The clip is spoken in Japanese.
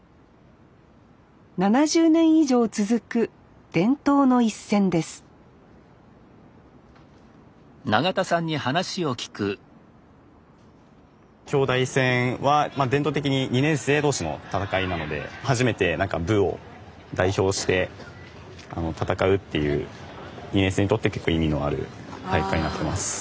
７０年以上続く伝統の一戦です京大戦は伝統的に２年生同士の戦いなので初めて部を代表して戦うっていう２年生にとって結構意味のある大会になってます。